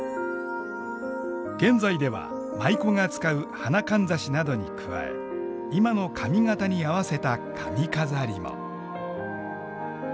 現在では舞妓が使う花かんざしなどに加え今の髪形に合わせた髪飾りも。